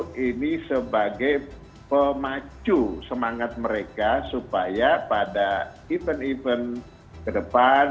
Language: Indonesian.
di samping itu ini sebagai pemacu semangat mereka supaya pada event event ke depan